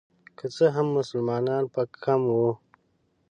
که څه هم مسلمانان به کم وو.